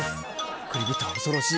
おくりびと恐ろしい。